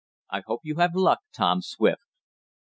I hope you have luck, Tom Swift."